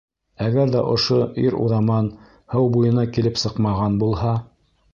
Әгәр ҙә ошо ир-уҙаман һыу буйына килеп сыҡмаған булһа?..